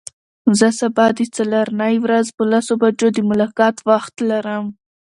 زه سبا د څلرنۍ ورځ په لسو بجو د ملاقات وخت لرم.